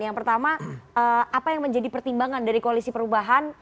yang pertama apa yang menjadi pertimbangan dari koalisi perubahan